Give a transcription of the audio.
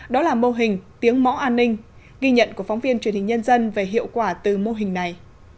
đó là mô hình tiếng mẫu an ninh ghi nhận của phóng viên truyền hình nhân dân về hiệu quả từ mô hình này